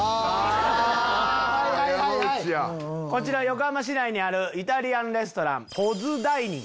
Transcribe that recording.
こちら横浜市内にあるイタリアンレストラン。